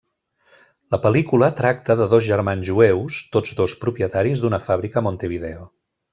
La pel·lícula tracta de dos germans jueus, tots dos propietaris d'una fàbrica a Montevideo.